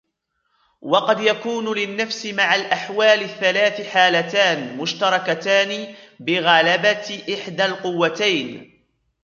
وَقَدْ يَكُونُ لِلنَّفْسِ مَعَ الْأَحْوَالِ الثَّلَاثِ حَالَتَانِ مُشْتَرَكَتَانِ بِغَلَبَةِ إحْدَى الْقُوَّتَيْنِ